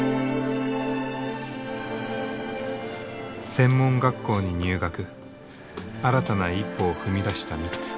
専門学校に入学新たな一歩を踏み出したミツ。